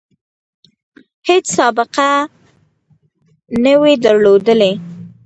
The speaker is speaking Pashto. هیڅ سابقه نه وي درلودلې.